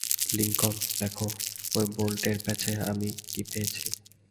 Lincoln, দেখো ওই বোল্টের প্যাচে আমি কী পেয়েছি।